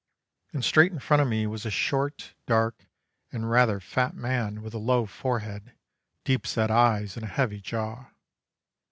And straight in front of me was a short, dark, and rather fat man with a low forehead, deep set eyes, and a heavy jaw.